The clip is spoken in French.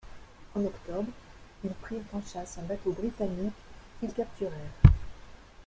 En octobre, ils prirent en chasse un bateau britannique, qu'ils capturèrent.